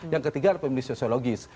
yang ketiga adalah pemilih sosiologis